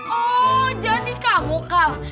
oh jadi kamu kalah